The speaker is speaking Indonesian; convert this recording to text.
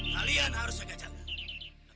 kalian harus jaga jaga